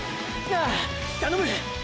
ああ頼む！